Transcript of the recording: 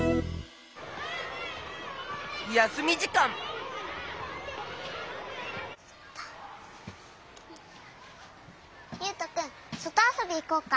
やすみじかんゆうとくんそとあそびいこうか。